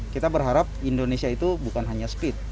kita berharap indonesia itu bukan hanya speed